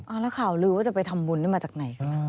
แล้วข่าวลือว่าจะไปทำบุญนี่มาจากไหนคะ